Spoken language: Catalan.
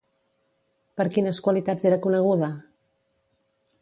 Per quines qualitats era coneguda?